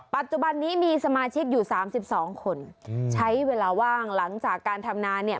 ปัจจุบันนี้มีสมาชิกอยู่๓๒คนใช้เวลาว่างหลังจากการทำนาเนี่ย